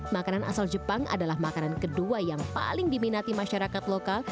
makanan asal jepang adalah makanan kedua yang paling diminati masyarakat lokal